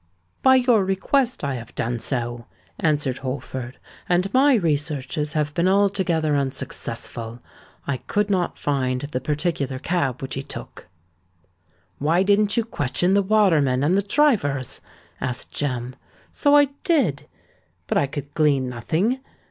"By your request I have done so," answered Holford; "and my researches have been altogether unsuccessful. I could not find the particular cab which he took." "Why didn't you question the waterman and the drivers?" asked Jem. "So I did; but I could glean nothing.